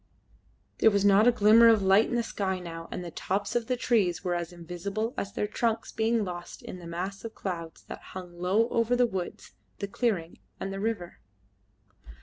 There was not a glimmer of light in the sky now, and the tops of the trees were as invisible as their trunks, being lost in the mass of clouds that hung low over the woods, the clearing, and the river.